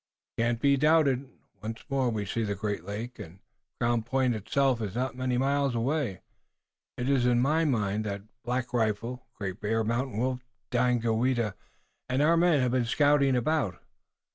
"It cannot be doubted. Once more we see the great lake, and Crown Point itself is not so many miles away. It is in my mind that Black Rifle, Great Bear, Mountain Wolf, Daganoweda and our men have been scouting about it."